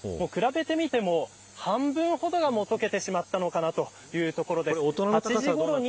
ですので、比べてみても半分ほどが解けてしまったのかなというところです。